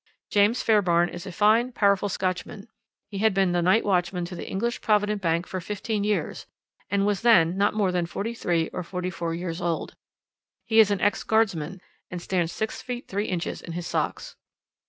James Fairbairn is a fine, powerful Scotchman; he had been night watchman to the English Provident Bank for fifteen years, and was then not more than forty three or forty four years old. He is an ex guardsman, and stands six feet three inches in his socks.